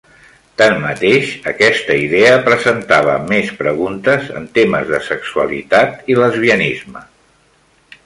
Tanmateix, aquesta idea presentava més preguntes en temes de sexualitat i lesbianisme.